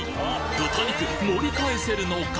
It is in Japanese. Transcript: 豚肉盛り返せるのか！？